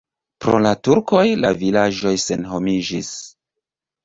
Pro la turkoj la vilaĝoj senhomiĝis.